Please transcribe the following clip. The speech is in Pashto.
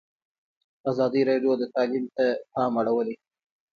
ازادي راډیو د تعلیم ته پام اړولی.